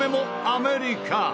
アメリカ。